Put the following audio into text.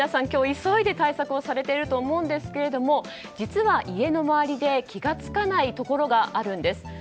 今日、急いで対策されていると思うんですけども実は家の周りで気が付かないところがあるんです。